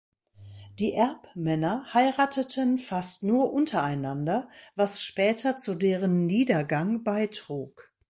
Die Erbmänner heirateten fast nur untereinander, was später zu deren Niedergang beitrug.